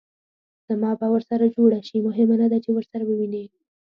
زما به ورسره جوړه شي؟ مهمه نه ده چې ورسره ووینې.